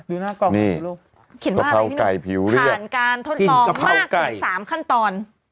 ดูหน้ากล่องของคุณลูกเขียนว่าอะไรพี่นี่ผ่านการทดลองมากถึงสามขั้นตอน